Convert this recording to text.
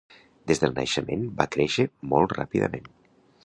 Des del naixement va créixer molt ràpidament.